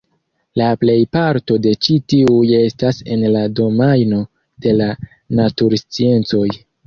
La plejparto de ĉi tiuj estas en la domajno de la natursciencoj.